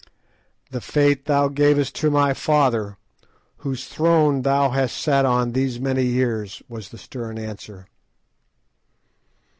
"The fate thou gavest to my father, whose throne thou hast sat on these many years!" was the stern answer.